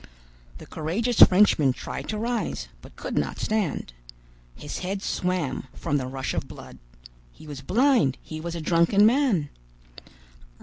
The courageous Frenchman tried to rise, but could not stand. His head swam, from the rush of blood; he was blind; he was a drunken man.